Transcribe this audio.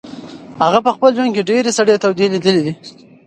هغه په خپل ژوند کې ډېرې سړې تودې لیدلې دي.